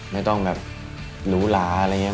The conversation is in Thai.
ไม่ต้องแบบหรูหลาอะไรอย่างนี้